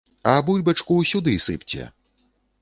А бульбачку сюды сыпце!